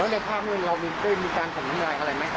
ในค่ำนี้เรามีมีในการสมัยอะไรมั้ยครับ